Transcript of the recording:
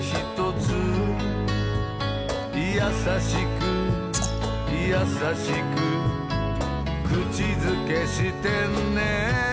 「やさしくやさしくくちづけしてね」